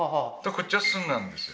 こっちは寸なんですよ